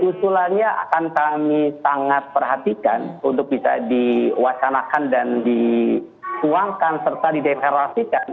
usulannya akan kami sangat perhatikan untuk bisa diwacanakan dan disuangkan serta dideklarasikan